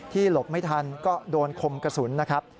หลบไม่ทันก็โดนคมกระสุนนะครับ